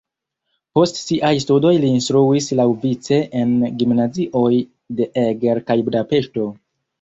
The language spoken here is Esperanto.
Post siaj studoj li instruis laŭvice en gimnazioj de Eger kaj Budapeŝto.